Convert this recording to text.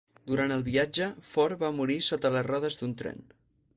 Durant el viatge, Ford va morir sota les rodes d'un tren.